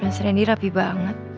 renset randy rapi banget